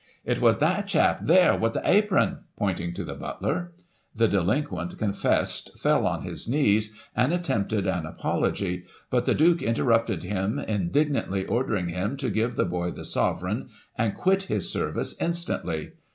' It was that chap, there, with the apron,' pointing to the butler. The delinquent con fessed, fell on his knees, and attempted an apology ; but the Duke interrupted him, indignantly ordered him to give the boy the sovereign, and quit his service instantly.